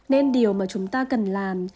nên điều mà chúng ta cần làm